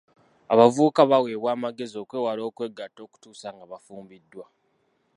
Abavubuka baweebwa amagezi okwewala okwegatta okutuusa nga bafumbiddwa.